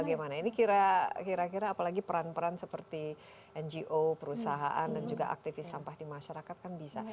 bagaimana ini kira kira apalagi peran peran seperti ngo perusahaan dan juga aktivis sampah di masyarakat kan bisa